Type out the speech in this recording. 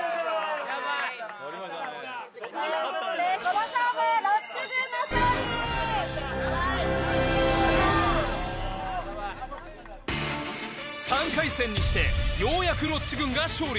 この勝負ロッチ軍の勝利３回戦にしてようやくロッチ軍が勝利